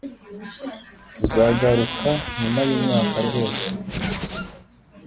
tuzagaruka nyuma y’umwaka rwose.